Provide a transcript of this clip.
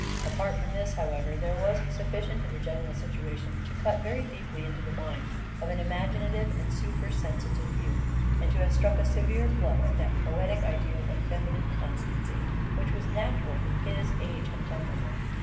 Apart from this, however, there was sufficient in the general situation to cut very deeply into the mind of an imaginative and supersensitive youth, and to have struck a severe blow at that poetic ideal of feminine constancy which was natural to his age and temperament.